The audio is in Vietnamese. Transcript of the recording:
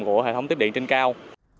của hệ thống tiếp điện trên cao